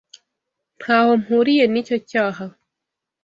Ntaho mpuriye n'icyo cyaha.